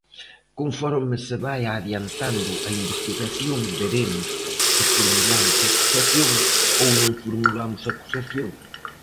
Conforme se vaia adiantando a investigación veremos se formulamos acusación ou non formulamos acusación.